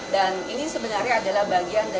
dan ini sebenarnya adalah bagiannya